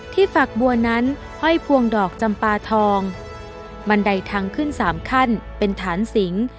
ฝักบัวนั้นห้อยพวงดอกจำปาทองบันไดทางขึ้นสามขั้นเป็นฐานสิง